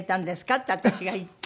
って私が言って。